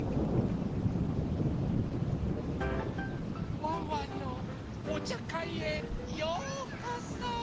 ワンワンのおちゃかいへようこそ！